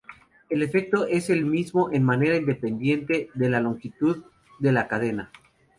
El efecto es el mismo en manera independiente de la longitud de la cadena.